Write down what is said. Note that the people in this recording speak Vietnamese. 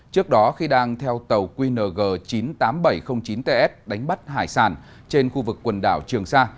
trước đó khi đang theo tàu qng chín mươi tám nghìn bảy trăm linh chín ts đánh bắt hải sản trên khu vực quần đảo trường sa